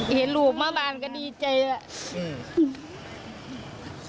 เห็นลูกเมื่อวานก็ดีใจแล้ว